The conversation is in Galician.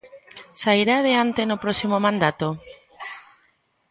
Sairá adiante no próximo mandato?